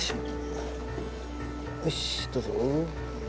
よし、どうぞ。